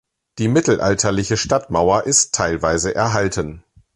Die mittelalterliche Stadtmauer ist teilweise erhalten.